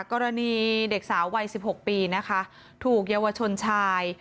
กรณีเด็กสาววัย๑๖ปีนะคะถูกเยาวชนชาย